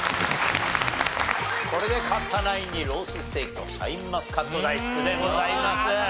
これで勝ったナインにロースステーキとシャインマスカット大福でございます。